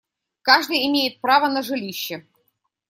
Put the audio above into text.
Каждый имеет право на жилище.